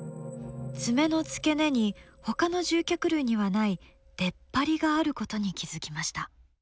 爪の付け根にほかの獣脚類にはない出っ張りがあることに気付きました。